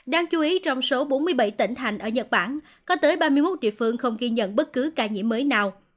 đáng chú ý trong số bốn mươi bảy tỉnh thành ở nhật bản có tới ba mươi một địa phương không ghi nhận bất cứ ca nhiễm mới nào